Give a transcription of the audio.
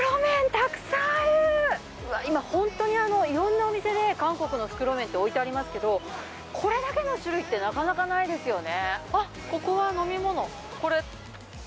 今、本当にいろんなお店で韓国の袋麺って置いてありますけどこれだけの種類ってなかなかないですよね。